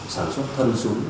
sản xuất thân súng